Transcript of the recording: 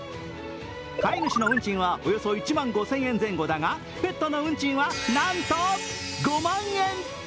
飼い主の運賃はおよそ１万５０００円前後だがペットの運賃はなんと５万円！